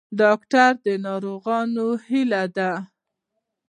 ډاکټر د ناروغانو هیله ده